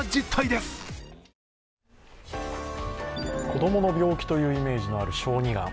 子供の病気というイメージのある小児がん。